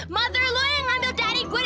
mother lu yang ngambil dari gue